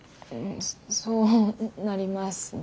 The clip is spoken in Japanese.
そうなりますね。